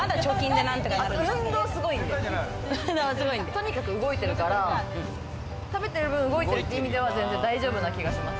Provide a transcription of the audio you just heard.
運動すごいんで、とにかく動いてるから、食べてる分、動いてるという意味では大丈夫な気がします。